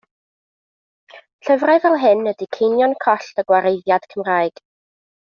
Llyfrau fel hyn ydi ceinion coll y gwareiddiad Cymraeg.